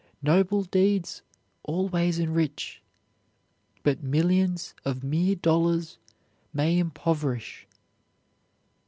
Noble deeds always enrich, but millions of mere dollars may impoverish.